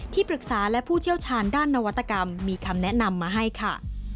ปรึกษาและผู้เชี่ยวชาญด้านนวัตกรรมมีคำแนะนำมาให้ค่ะ